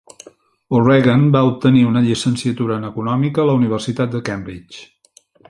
O'Regan va obtenir una llicenciatura en econòmica a la Universitat de Cambridge.